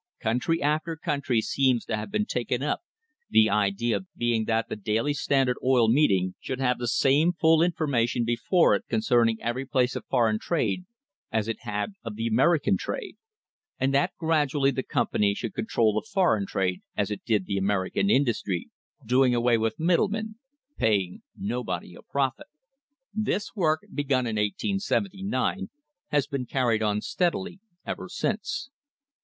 Country after country seems to have been taken up, the idea being that the daily Standard Oil meeting should have the same full information before it concerning every place of foreign trade as it had of the American trade, and that gradually the company should con trol the foreign trade as it did the American industry, doing away with middlemen, "paying nobody a profit." This work, begun in 1879, has been carried on steadily ever since.